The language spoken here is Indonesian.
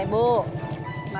ini sisanya mak